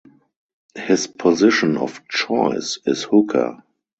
His position of choice is hooker.